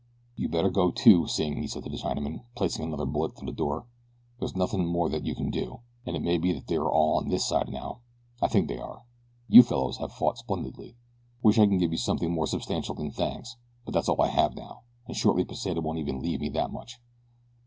"You better go, too, Sing," he said to the Chinaman, placing another bullet through the door; "there's nothing more that you can do, and it may be that they are all on this side now I think they are. You fellows have fought splendidly. Wish I could give you something more substantial than thanks; but that's all I have now and shortly Pesita won't even leave me that much."